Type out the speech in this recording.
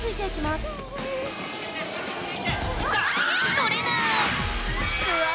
とれない。